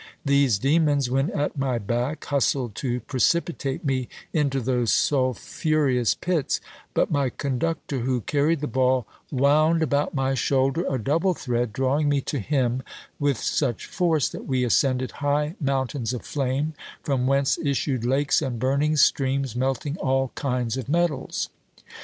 These demons, when at my back, hustled to precipitate me into those sulphureous pits; but my conductor, who carried the ball, wound about my shoulder a double thread, drawing me to him with such force, that we ascended high mountains of flame, from whence issued lakes and burning streams, melting all kinds of metals.